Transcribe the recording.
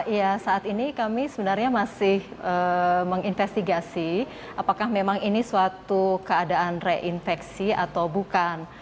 ya saat ini kami sebenarnya masih menginvestigasi apakah memang ini suatu keadaan reinfeksi atau bukan